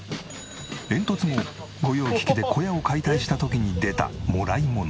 煙突も御用聞きで小屋を解体した時に出たもらいもの。